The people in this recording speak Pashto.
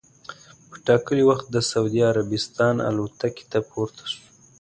په ټا کلي وخت د سعودي عربستان الوتکې ته پورته سو.